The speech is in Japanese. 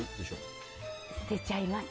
捨てちゃいます。